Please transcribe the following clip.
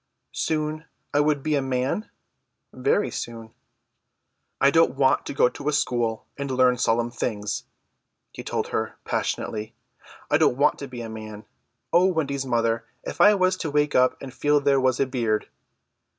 "Soon I would be a man?" "Very soon." "I don't want to go to school and learn solemn things," he told her passionately. "I don't want to be a man. O Wendy's mother, if I was to wake up and feel there was a beard!"